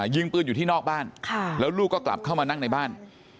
ยิงปืนอยู่ที่นอกบ้านแล้วลูกก็กลับเข้ามานั่งในบ้าน